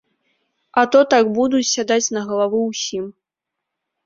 А то, так будуць сядаць на галаву ўсім!